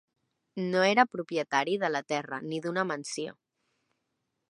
No era propietari de la terra ni d'una mansió.